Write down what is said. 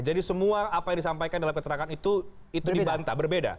jadi semua apa yang disampaikan dalam keterangan itu itu dibantah berbeda